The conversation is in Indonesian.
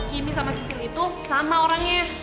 kimmy sama sisil itu sama orangnya